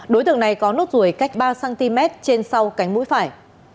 đối tượng này có nốt ruồi cách ba cm trên sau cánh mũi phải